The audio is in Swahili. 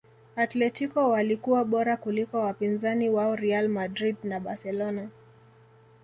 atletico walikuwa bora kuliko wapinzani wao real madrid na barcelona